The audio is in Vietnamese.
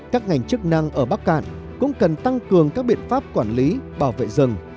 các ngành chức năng ở bắc cạn cũng cần tăng cường các biện pháp quản lý bảo vệ rừng